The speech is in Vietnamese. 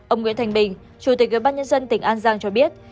ông nguyễn thành bình chủ tịch ủy ban nhân dân tỉnh an giang cho biết